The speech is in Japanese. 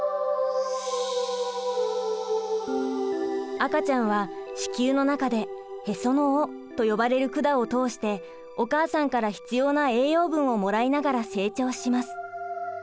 赤ちゃんは子宮の中でへその緒と呼ばれる管を通してお母さんから必要な栄養分をもらいながら成長します。